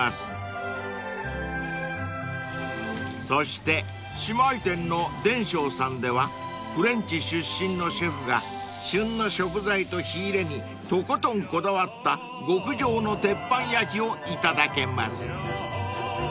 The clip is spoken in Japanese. ［そして姉妹店の田焼さんではフレンチ出身のシェフが旬の食材と火入れにとことんこだわった極上の鉄板焼きをいただけます］